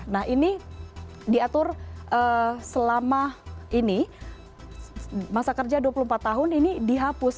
nah ini diatur selama ini masa kerja dua puluh empat tahun ini dihapus